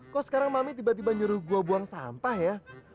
kok sekarang mami tiba tiba nyuruh gua buang sampah ya